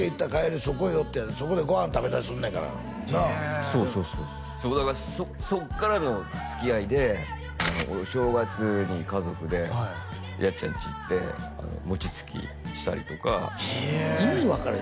そこへ寄ってんそこでご飯食べたりすんねんからなあそうそうそうそうだからそっからのつきあいでお正月に家族でやっちゃん家行って餅つきしたりとか意味分からん